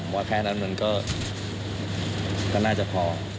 ว่าแค่นั้นมันก็น่าจะพอ